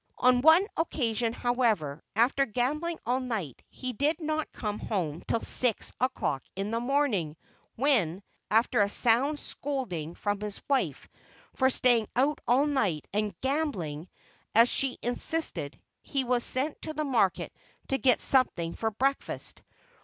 On one occasion, however, after gambling all night, he did not come home till six o'clock in the morning, when, after a sound scolding from his wife for staying out all night and "gambling," as she insisted, he was sent to market to get something for breakfast.